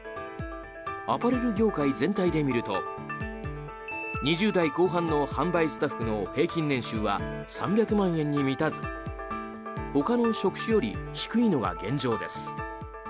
アパレル業界全体で見ると２０代後半の販売スタッフの平均年収は３００万円に満たずほかの職種より低いのが現状です。